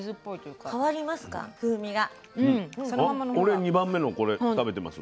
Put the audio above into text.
俺２番目のこれ食べてます。